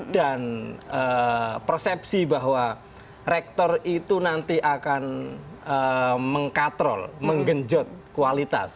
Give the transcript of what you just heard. dan persepsi bahwa rektor itu nanti akan mengkatrol menggenjot kualitas